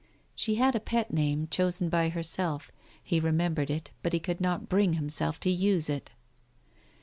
She had a pet name, chosen by herself. He remembered it, but he could not bring himself to use it.